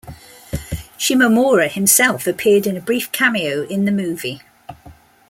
Shimomura, himself, appeared in a brief cameo in the movie.